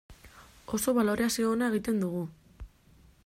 Oso balorazio ona egiten dugu.